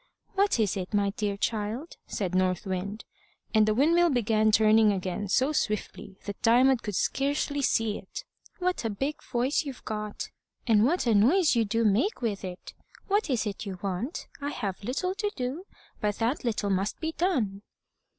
"What is it, my dear child?" said North Wind, and the windmill began turning again so swiftly that Diamond could scarcely see it. "What a big voice you've got! and what a noise you do make with it? What is it you want? I have little to do, but that little must be done."